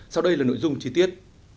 sau đây là nội dung chi tiết